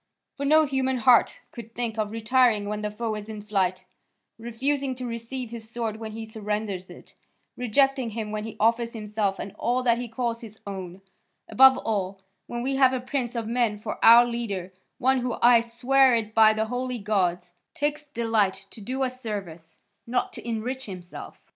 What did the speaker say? For no human heart could think of retiring when the foe is in flight, refusing to receive his sword when he surrenders it, rejecting him when he offers himself and all that he calls his own; above all, when we have a prince of men for our leader, one who, I swear it by the holy gods, takes delight to do us service, not to enrich himself."